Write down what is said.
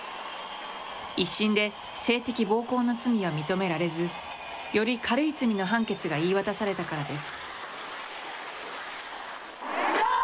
１審で性的暴行の罪は認められず、より軽い罪の判決が言い渡されたからです。